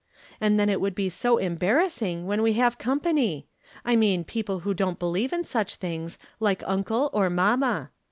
And then it would be so embarrassing when we have company — I mean people who don't beheve in such things, like uncle, or mamma.